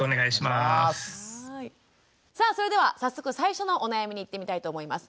さあそれでは早速最初のお悩みにいってみたいと思います。